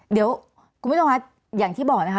เดี๋ยวคุณผู้ชมคะอย่างที่บอกนะคะ